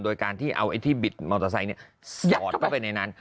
สอดก็ไปในนั้น